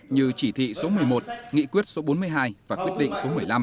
như chỉ thị số một mươi một nghị quyết số bốn mươi hai và quyết định số một mươi năm